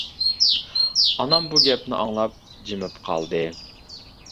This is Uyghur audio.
ئانام بۇ گەپنى ئاڭلاپ جىمىپ قالدى.